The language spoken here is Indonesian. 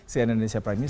saya indonesia prime news